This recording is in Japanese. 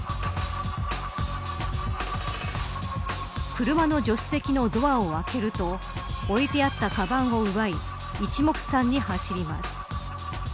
車の助手席のドアを開けると置いてあったかばんを奪い一目散に走ります。